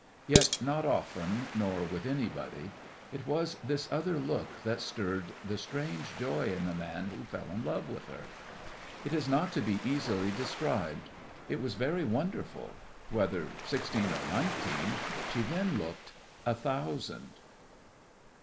Yet not often, nor with anybody. It was this other look that stirred the strange joy in the man who fell in love with her. It is not to be easily described. It was very wonderful. Whether sixteen or nineteen, she then looked a thousand.